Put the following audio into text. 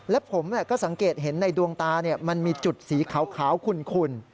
และผมก็สังเกตเห็นในดวงตามันมีจุดสีขาวขุ่น